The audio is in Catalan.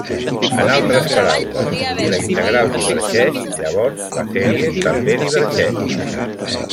En altres paraules, si la integral divergeix, llavors la sèrie també divergeix.